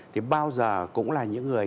thì bao giờ cũng là những người